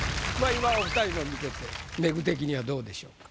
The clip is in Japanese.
今お二人の見ててメグ的にはどうでしょうか？